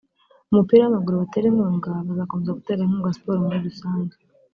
umupira w’amaguru batera inkunga bazakomeza gutera inkunga siporo muri rusange